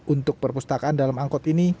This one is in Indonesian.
untuk perpustakaan dalam angkot ini